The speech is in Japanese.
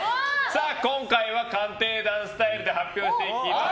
今回は「鑑定団」スタイルで発表していきます。